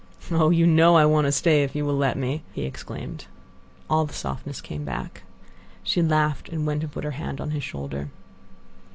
"Oh! you know I want to stay if you will let me!" he exclaimed. All the softness came back. She laughed, and went and put her hand on his shoulder.